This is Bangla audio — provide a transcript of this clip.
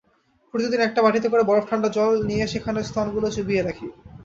প্রতিদিন একটা বাটিতে করে বরফ ঠান্ডা জল নিয়ে সেখানে স্তনগুলো চুবিয়ে রাখি।